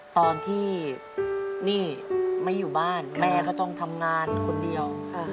ตอนที่นี่ไม่อยู่บ้านแม่ก็ต้องทำงานคนเดียว